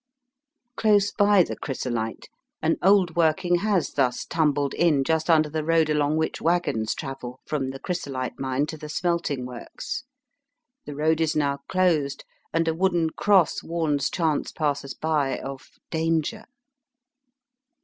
Close by the Chrysolite, an old working has thus tumbled in just under the road along which waggons travel from the Chrysolite Mine to the smelting works. The road is now closed, and a wooden cross warns chance passers by of ^* danger."